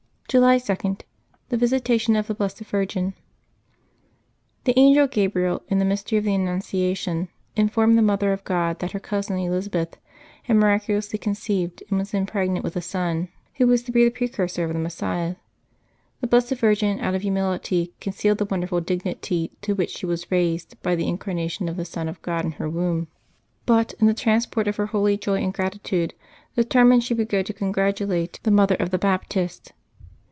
July 2.— THE VISITATION OF THE BLESSED VIRGIN. CHE angel Gabriel, in the mystery of the Annunciation, informed the Mother of God that her cousin Eliza beth had mira<3ulously conceived, and was then pregnant with a son who was to be the precursor of the Messias. The Blessed Virgin out of humility concealed the wonderful dignity to which she was raised by the incarnation of the Son of God in her womb, but, in the transport of her holy joy and gratitude, determined she would go to congratulate ^ 236 LIVES OF THE SAINTS [July 2 the mother of the Baptist.